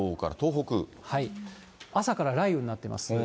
朝から雷雨になってます。